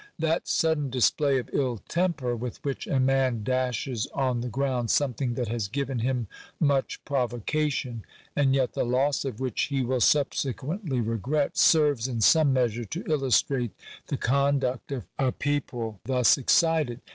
That sudden display of ill temper with which a man dashes on the ground something that has given him much provocation, and yet the loss of which he will subsequently regret, serves in some measure to illustrate the conduct of a people thus excited.